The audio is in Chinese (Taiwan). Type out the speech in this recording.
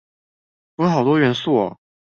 符合好多元素喔